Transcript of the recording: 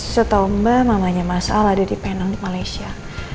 setau mbak mamanya mas al ada di penang di malaysia